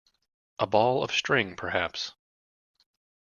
A ball of string, perhaps.